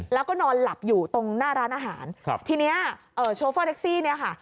แล้วก็นอนหลับอยู่ตรงหน้าร้านอาหารครับทีเนี้ยเอ่อโชเฟอร์แท็กซี่เนี่ยค่ะ